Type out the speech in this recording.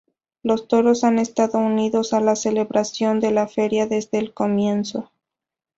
Los toros han estado unidos a la celebración de la feria desde el comienzo.